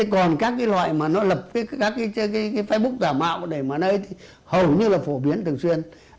còn các cái loại mà nó lập các cái facebook giả mạo để mà nơi thì hầu như là phổ biến thường xuyên